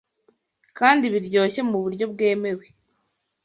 kandi biryoshye mu buryo bwemewe